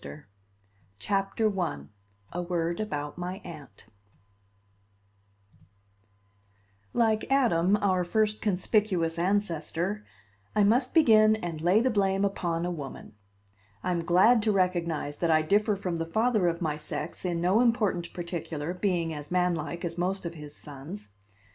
LADY BALTIMORE I: A Word about My Aunt Like Adam, our first conspicuous ancestor, I must begin, and lay the blame upon a woman; I am glad to recognize that I differ from the father of my sex in no important particular, being as manlike as most of his sons.